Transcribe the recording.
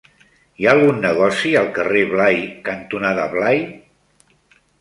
Hi ha algun negoci al carrer Blai cantonada Blai?